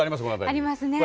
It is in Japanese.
ありますね。